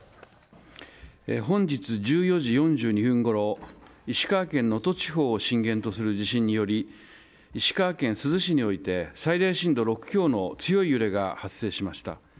本日１４時４２分ごろ石川県能登地方を震源とする地震により石川県珠洲市において最大震度６強の強い揺れが発生しました。